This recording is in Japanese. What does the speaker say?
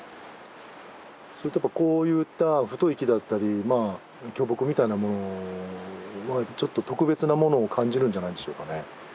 それとやっぱこういった太い木だったりまあ巨木みたいなものはちょっと特別なものを感じるんじゃないんでしょうかね。